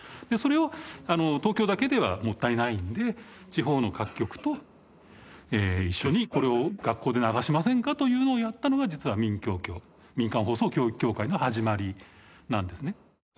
でそれを東京だけではもったいないので地方の各局と一緒にこれを学校で流しませんか？というのをやったのが実は民教協民間放送教育協会の始まりなんですね。